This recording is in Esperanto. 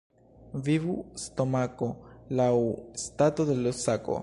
Vivu stomako laŭ stato de l' sako.